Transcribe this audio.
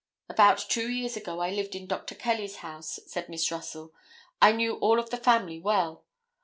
"About two years ago I lived in Dr. Kelly's house," said Miss Russell; "I knew all of the family well.